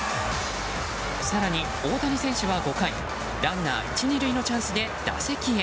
更に、大谷選手は５回ランナー１、２塁のチャンスで打席へ。